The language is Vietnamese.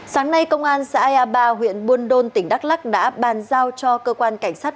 sáng nay công an xã ea ba huyện buôn đôn tỉnh đắk lắc đã bàn giao cho cơ quan cảnh sát